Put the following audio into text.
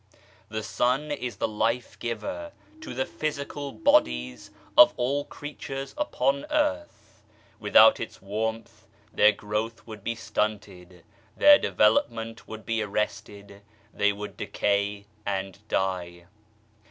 The sun is the life giver to the physical bodies of all creatures upon earth ; without its warmth their growth would be stunted, their development would be arrested, they would decay and die.